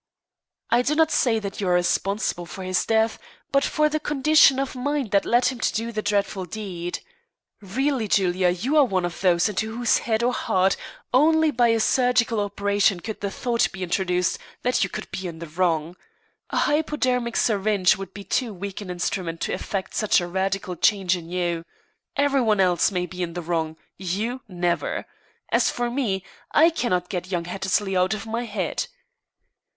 "I do not say that you are responsible for his death, but for the condition of mind that led him to do the dreadful deed. Really, Julia, you are one of those into whose head or heart only by a surgical operation could the thought be introduced that you could be in the wrong. A hypodermic syringe would be too weak an instrument to effect such a radical change in you. Everyone else may be in the wrong, you never. As for me, I cannot get young Hattersley out of my head."